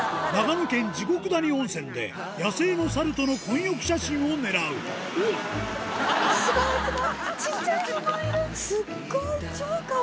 野県地獄谷温泉で野生の猿との混浴写真を狙うスゴい！